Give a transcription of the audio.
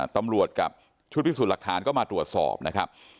ตำรวจกับชุดพิสูจน์หลักฐานก็มาตรวจสอบนะครับ